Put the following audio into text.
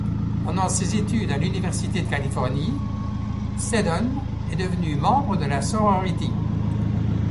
Pendant ses études à l'Université de Californie, Seddon est devenue membre de la sorority.